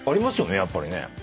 やっぱりね。